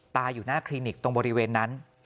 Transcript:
อยู่หน้าคลินิกตรงบริเวณนั้น